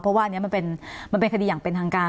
เพราะว่าอันนี้มันเป็นคดีอย่างเป็นทางการ